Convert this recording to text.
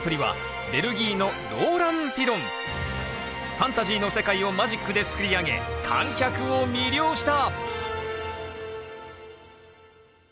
ファンタジーの世界をマジックで作り上げ観客を魅了した。